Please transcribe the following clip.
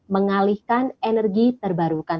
mengalihkan energi terbarukan